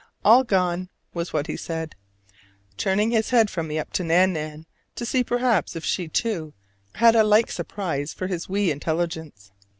"All gone!" was what he said, turning his head from me up to Nan nan, to see perhaps if she too had a like surprise for his wee intelligence.